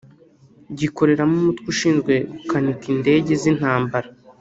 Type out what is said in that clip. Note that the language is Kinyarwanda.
gikoreramo umutwe ushinzwe gukanika indege z’intambara